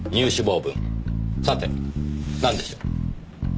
さてなんでしょう？